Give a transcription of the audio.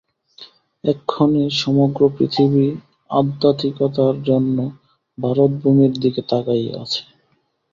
এক্ষণে সমগ্র পৃথিবী আধ্যাত্মিকতার জন্য ভারতভূমির দিকে তাকাইয়া আছে।